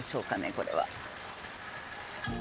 これは？